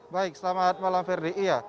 baik selamat malam ferdie